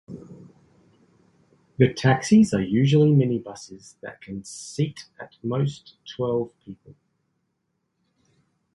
The taxis are usually minibuses that can seat at most twelve people.